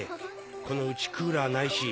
この家クーラーないし。